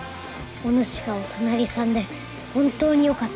おぬしがお隣さんで本当によかった。